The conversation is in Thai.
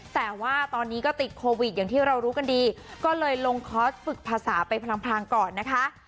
แต่ว่าตอนนี้ก็ติดโควิดอย่างที่เรารู้กันดีก็เลยลงคอร์สฝึกภาษาไปพลังก่อนนะคะ